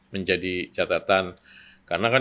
menjadi catatan karena kan